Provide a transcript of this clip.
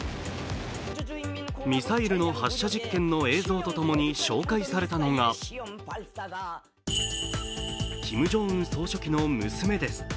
ミサイルの発射実験の映像とともに紹介されたのがキム・ジョンウン総書記の娘です。